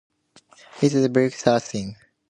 It's a very sad thing.